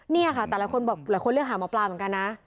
นี่ค่ะแต่ละคนเลือกหามาปลาเหมือนกันนะ